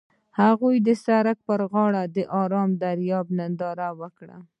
هغوی د سړک پر غاړه د آرام دریاب ننداره وکړه.